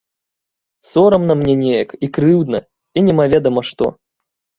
Сорамна мне неяк і крыўдна і немаведама што.